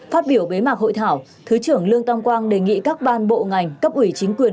phát biểu bế mạc hội thảo thứ trưởng lương tam quang đề nghị các ban bộ ngành cấp ủy chính quyền